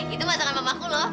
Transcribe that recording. itu masakan mamaku lho